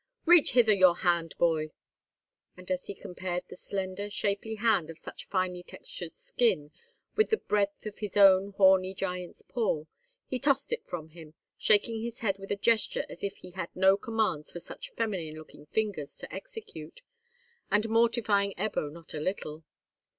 "Reach hither your hand, boy." And as he compared the slender, shapely hand of such finely textured skin with the breadth of his own horny giant's paw, he tossed it from him, shaking his head with a gesture as if he had no commands for such feminine looking fingers to execute, and mortifying Ebbo not a little.